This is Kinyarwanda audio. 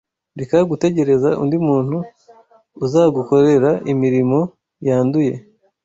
Reka gutegereza undi muntu uzagukorera imirimo yanduye